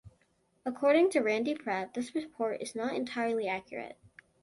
According to Randy Pratt, this report is not entirely accurate.